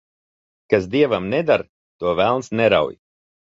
Kas dievam neder, to velns nerauj.